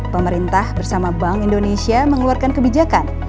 pemerintah bersama bank indonesia mengeluarkan kebijakan